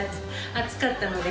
暑かったので。